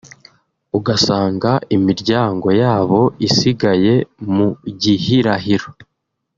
ugasanga imiryango yabo isigaye mu gihirahiro